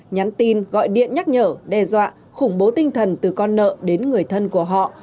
nhắn tin gọi điện nhắc nhở đe dọa khủng bố tinh thần từ con nợ đến người thân của họ